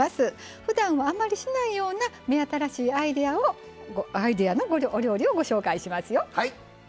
ふだんは、あまりしないような目新しいアイデアのお料理をご紹介しますよ。